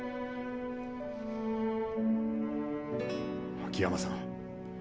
・秋山さん